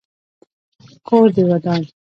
کور دي ودان .